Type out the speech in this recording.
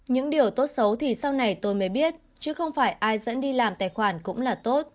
những điều tốt xấu thì sau này tôi mới biết chứ không phải ai dẫn đi làm tài khoản cũng là tốt